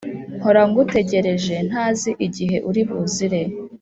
mpora ngutegerje ntazi igihe uribuzire